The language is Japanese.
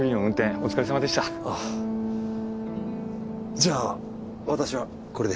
じゃあ私はこれで。